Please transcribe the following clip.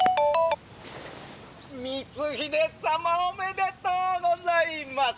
「光秀様おめでとうございます。